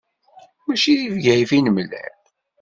Mačči di Bgayet i nemlal.